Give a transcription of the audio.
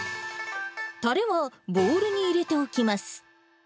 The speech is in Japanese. たれはボウルに入れておきます。